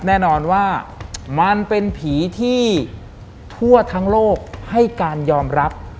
แน่นอนว่ามันเป็นผีที่ทั่วทั้งโลกให้การยอมรับ